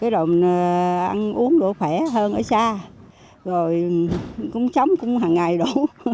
rồi ăn uống đủ khỏe hơn ở xa rồi cũng sống cũng hằng ngày đủ